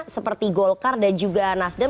seperti golkar dan juga nasdem